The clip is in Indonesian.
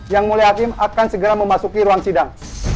yang mulia hakim akan segera memasuki ruang sidang